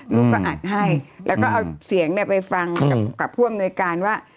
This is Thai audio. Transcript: ลูกก็อัดให้แล้วก็เอาเสียงไปฟังกับผู้อำนวยการว่า